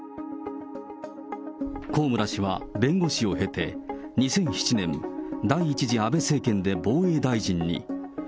高村氏は、弁護士を経て、２００７年、第１次安倍政権で防衛大臣に。